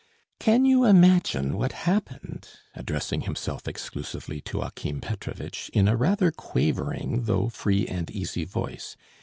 "Can you imagine what happened," addressing himself exclusively to Akim Petrovitch in a rather quavering, though free and easy voice.